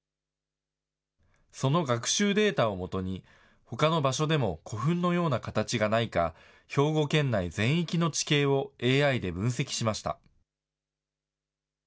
その学習データを基に、ほかの場所でも古墳のような形がないか、兵庫県内全域の地形をＡＩで分析しました。